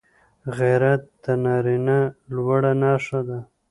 غیرت د نارینه لوړه نښه ده